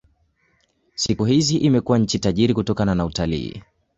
Siku hizi imekuwa nchi tajiri kutokana na utalii.